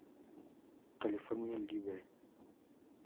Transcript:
California Live!!!